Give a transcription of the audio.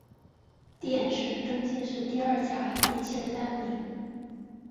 殿试登进士第二甲第七十三名。